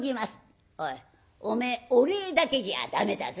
「おいお前お礼だけじゃあ駄目だぜ」。